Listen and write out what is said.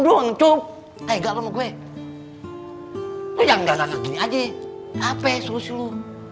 doang cup eh nggak lu sama gue lu jangan lihat kakinya aja apa solusi lu